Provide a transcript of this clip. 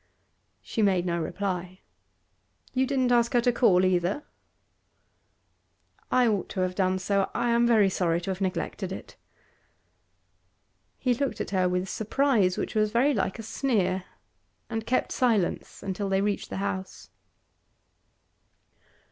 She made no reply. 'You didn't ask her to call, either?' 'I ought to have done so. I am very sorry to have neglected it.' He looked at her with surprise which was very like a sneer, and kept silence till they reached the house.